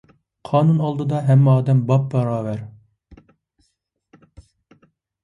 قانۇن ئالدىدا ھەممە ئادەم باپباراۋەر.